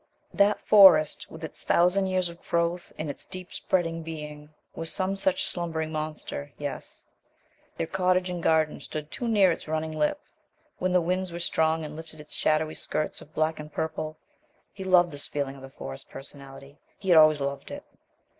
That Forest with its thousand years of growth and its deep spreading being was some such slumbering monster, yes. Their cottage and garden stood too near its running lip. When the winds were strong and lifted its shadowy skirts of black and purple.... He loved this feeling of the Forest Personality; he had always loved it.